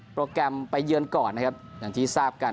โปรแกรมไปเยือนก่อนนะครับอย่างที่ทราบกัน